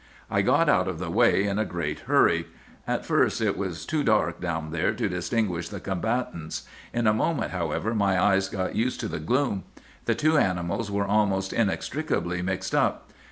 "'I got out of the way in a great hurry. At first it was too dark down there to distinguish the combatants. In a moment, however, my eyes got used to the gloom. The two animals were almost inextricably mixed up.